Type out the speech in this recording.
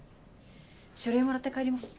書類もらって帰ります。